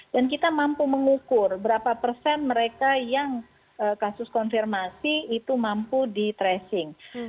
dan kita mampu mengukur berapa persen mereka yang kasus konfirmasi itu mampu di tracing